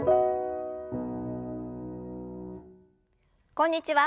こんにちは。